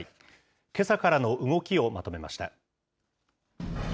けさからの動きをまとめました。